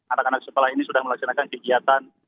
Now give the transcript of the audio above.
anak anak sekolah ini sudah melaksanakan kegiatan